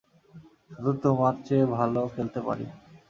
শুধু তোমার চেয়ে ভালো খেলতে পারি।